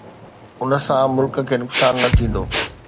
ان سان ملڪ کي نقصان نه ٿيندو؟